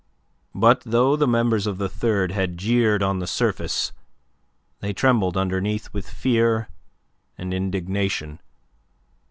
But though the members of the Third had jeered on the surface, they trembled underneath with fear and indignation.